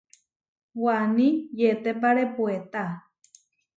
Waní yetépare puetá.